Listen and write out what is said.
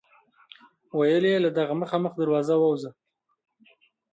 ویل یې له دغه مخامخ دروازه ووځه.